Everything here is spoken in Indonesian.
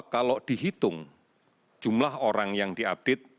kalau dihitung jumlah orang yang di update